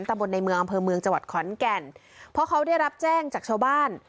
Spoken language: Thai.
บนในเมืองอำเภอเมืองจังหวัดขอนแก่นเพราะเขาได้รับแจ้งจากชาวบ้าน